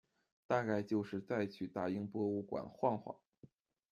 大概就是再去大英博物馆晃晃